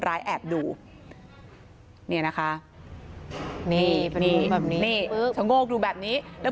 ร้ายแอบดูเนี้ยนะคะนี่นี่แบบนี้นี่ชะโงกดูแบบนี้แล้ว